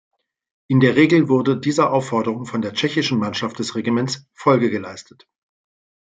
In der Regel wurde dieser Aufforderung von der tschechischen Mannschaft des Regiments Folge geleistet.